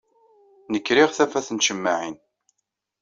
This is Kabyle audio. Nekk riɣ tafat n tcemmaɛin.